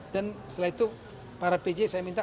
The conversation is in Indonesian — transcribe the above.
dan setelah itu para pj saya minta